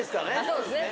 そうですね。